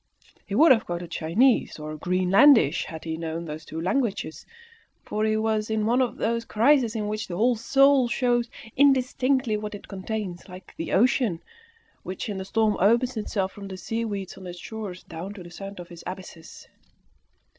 He would have quoted Chinese or Greenlandish had he known those two languages, for he was in one of those crises in which the whole soul shows indistinctly what it contains, like the ocean, which, in the storm, opens itself from the seaweeds on its shores down to the sands of its abysses.